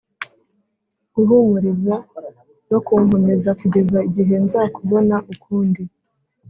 guhumuriza no kunkomeza kugeza igihe nzakubona ukundi,